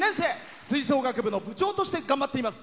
吹奏楽部の部長として頑張っています。